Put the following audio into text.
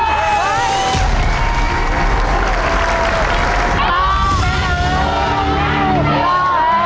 สุดครับ